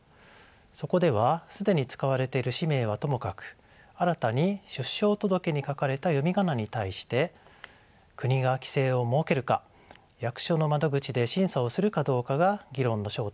そこでは既に使われている氏名はともかく新たに出生届に書かれた読み仮名に対して国が規制を設けるか役所の窓口で審査をするかどうかが議論の焦点となりました。